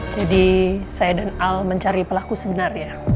jadi saya dan al mencari pelaku sebenarnya